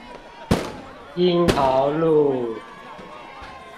鶯桃路